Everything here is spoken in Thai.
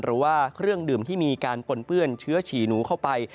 หรือว่าเครื่องดื่มที่มีการปนเปื้อนเชื้อฉี่หนูเข้าไป